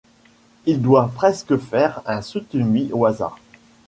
Il doit presque faire un Sutemi-Waza.